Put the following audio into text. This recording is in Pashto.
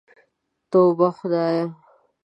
توبه خدايه.